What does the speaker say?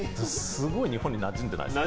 すごい日本になじんでないですか。